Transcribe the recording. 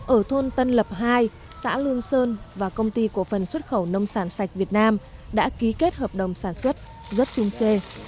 ở thôn tân lập hai xã lương sơn và công ty cổ phần xuất khẩu nông sản sạch việt nam đã ký kết hợp đồng sản xuất rất trung xê